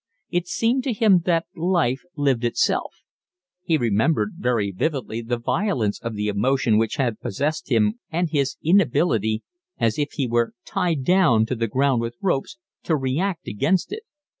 It seemed to him that life lived itself. He remembered very vividly the violence of the emotion which had possessed him and his inability, as if he were tied down to the ground with ropes, to react against it.